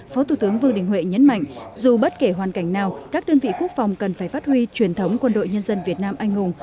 phó thủ tướng vương đình huệ nhấn mạnh dù bất kể hoàn cảnh nào các đơn vị quốc phòng cần phải phát huy truyền thống quân đội nhân dân việt nam anh hùng